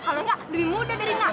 kalau nggak lebih muda dari nak